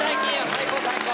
最高最高。